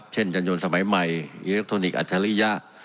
ยันยนต์สมัยใหม่อิเล็กทรอนิกส์อัจฉริยะ